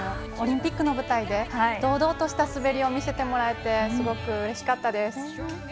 オリンピックの舞台で堂々とした滑りを見せてもらえてすごくうれしかったです。